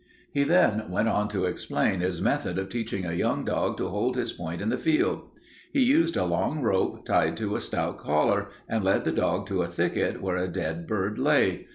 He then went on to explain his method of teaching a young dog to hold his point in the field. He used a long rope tied to a stout collar, and led the dog to a thicket where a dead bird lay.